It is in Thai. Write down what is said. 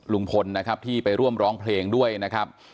ลุงพลนะครับที่ไปร่วมร้องเพลงด้วยนะครับ